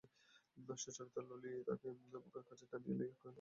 সুচরিতা ললিতাকে বুকের কাছে টানিয়া লইয়া কহিল, আজ আমার অন্যায় হয়ে গেছে ভাই।